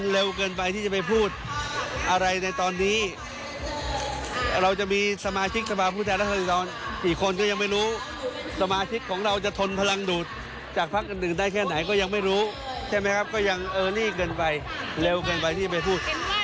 เร็วกันไปเร็วกันไปที่จะไปพูด